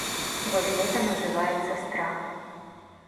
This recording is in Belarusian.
Вось гэта называецца страх.